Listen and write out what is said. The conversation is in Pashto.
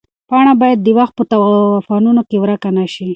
پاڼه باید د وخت په توپانونو کې ورکه نه شي.